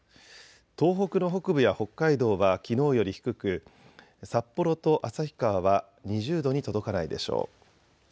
東北の北部や北海道はきのうより低く札幌と旭川は２０度に届かないでしょう。